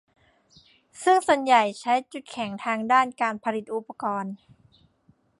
ซึ่งส่วนใหญ่ใช้จุดแข็งทางด้านการผลิตอุปกรณ์